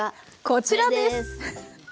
こちらです。